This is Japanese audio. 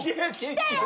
来たよ！